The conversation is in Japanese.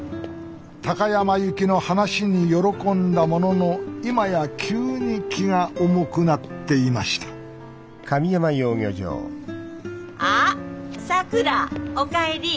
高山行きの話に喜んだものの今や急に気が重くなっていましたあっさくらお帰り。